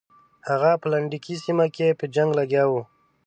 هغه په لنډکي سیمه کې په جنګ لګیا وو.